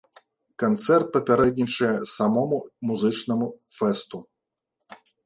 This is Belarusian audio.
Канцэрт папярэднічае самому музычнаму фэсту.